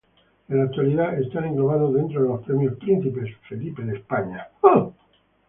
En la actualidad están englobados dentro de los Premios Príncipe Felipe de España.